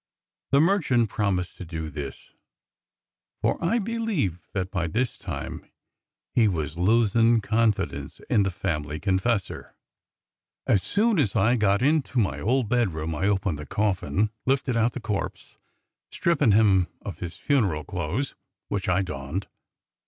The merchant promised to do this, for I believe that by this time he was losin' confidence in 186 DOCTOR SYN the family confessor. As soon as I got into my old bedroom I opened the coffin, lifted out the corpse, strippin' him of his funeral clothes, which I donned.